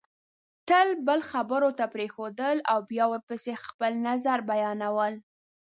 تل بل خبرو ته پرېښودل او بیا ورپسې خپل نظر بیانول